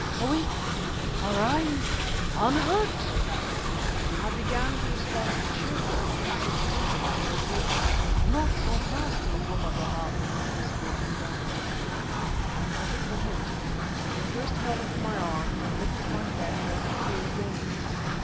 Awake! arise unhurt!" I began to respond cheerfully to this imposing invocation. "Not so fast, Macumazahn," whispered Indaba zimbi. I took the hint, and first held up my arm, then lifted my head and let it fall again.